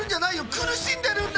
くるしんでるんだ！